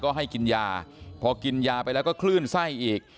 ก็ให้กินยาพอกินยาไปแล้วก็คลื่นไส้อีก